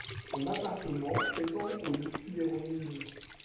Son appartement s’étend au-dessus des remises.